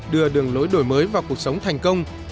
đưa đường lối đổi mới vào cuộc sống thành công